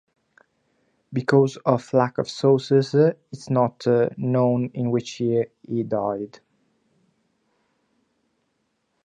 Because of lack of sources, it is not known in which year he died.